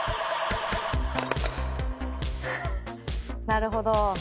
なるほど。